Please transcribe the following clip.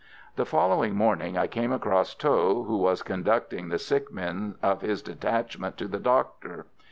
The following morning I came across Tho, who was conducting the sick men of his detachment to the doctor.